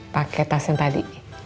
pake tas yang tadi